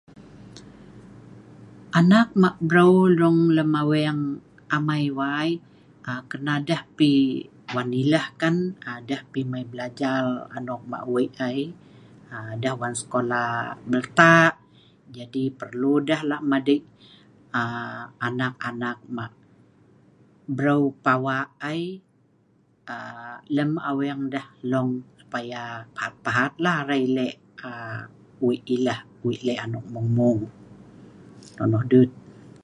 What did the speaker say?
Anak mah' breu dong lem aweng amai wai, aa karena deh pi wan ileh kan, aa deh pi mai belajal anok mah' wei' ai, aa deh wan sekolah belta', jadi pellu deh lah' madei aaa anak-anak mah' breu' pawa' ai aa lem aweng deh hlong, supaya pahat-pahat lah arai Leh aa wei' ileh, wei' leh' anok mung-mung. Nonoh dut.